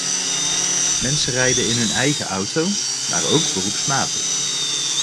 Mensen rijden in hun eigen auto, maar ook beroepsmatig.